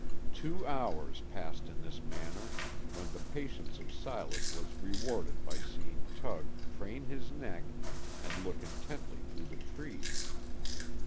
Two hours passed in this manner, when the patience of Silas was rewarded by seeing Tug crane his neck, and look intently through the trees.